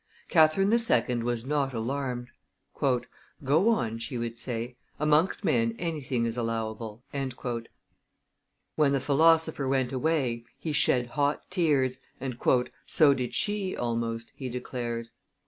Catherine II. was not alarmed. "Go on," she would say; amongst men anything is allowable." When the philosopher went away, he shed hot tears, and "so did she, almost," he declares.